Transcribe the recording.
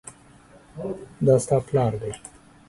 دا ستا پلار دی؟